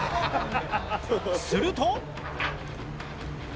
すると。